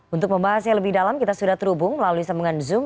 untuk membahasnya lebih dalam kita sudah terhubung melalui sambungan zoom